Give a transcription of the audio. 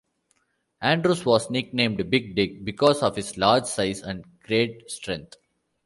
Andrews was nicknamed "Big Dick" because of his large size and great strength.